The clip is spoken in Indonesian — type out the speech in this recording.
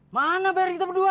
mana bayar kita berdua